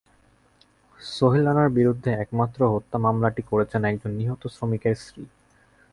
সোহেল রানার বিরুদ্ধে একমাত্র হত্যা মামলাটি করেছেন একজন নিহত শ্রমিকের স্ত্রী।